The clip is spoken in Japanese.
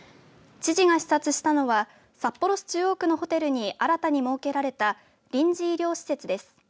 知事が視察したのは札幌市中央区のホテルに新たに設けられた臨時療養施設です。